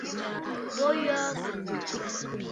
Bo yǝǝ ɨkòò.